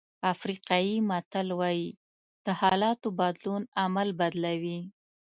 افریقایي متل وایي د حالاتو بدلون عمل بدلوي.